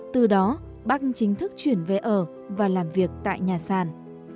từ đó bác chính thức chuyển về ở và làm việc tại nhà sàn